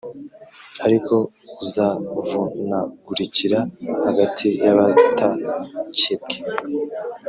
Ariko uzavunagurikira hagati y abatakebwe